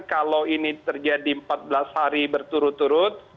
kalau ini terjadi empat belas hari berturut turut